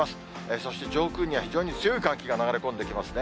そして、上空には非常に強い寒気が流れ込んできますね。